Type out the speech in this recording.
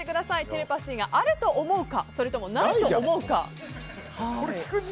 テレパシーがあると思うかそれともないと思うか。